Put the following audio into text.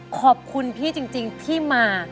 ขอบคุณพี่จริงที่มา